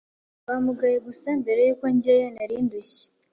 bamugaye gusa mbere yuko njyayo nari ndushye